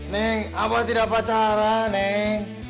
neng abah tidak pacaran neng